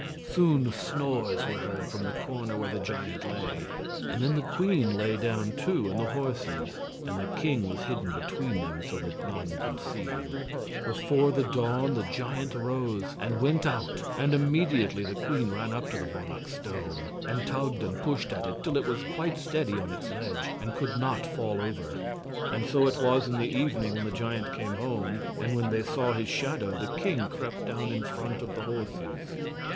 Soon snores were heard from the corner where the giant lay, and then the queen lay down too, and the horses, and the king was hidden between them, so that none could see him. Before the dawn the giant rose and went out, and immediately the queen ran up to the Bonnach stone, and tugged and pushed at it till it was quite steady on its ledge, and could not fall over. And so it was in the evening when the giant came home; and when they saw his shadow, the king crept down in front of the horses.